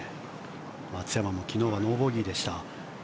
松山も昨日はノーボギーでした。